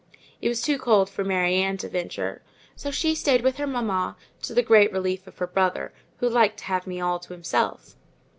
It was too cold for Mary Ann to venture, so she stayed with her mamma, to the great relief of her brother, who liked to have me all to himself.